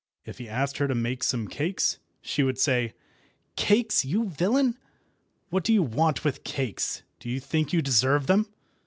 If he asked her to make some cakes, she would say— "Cakes, you villain! What do you want with cakes? Do you think you deserve them?"